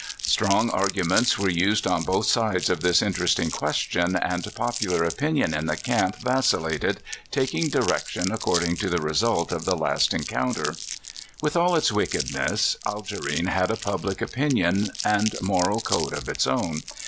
Strong arguments were used on both sides of this interesting ques (95) 96 CALIFORNIA SKETCHES. tion, and popular opinion in the camp vacillated, taking direction according to the result of the last encounter. With all its wickedness, Algerine had a public opinion and moral code of its own.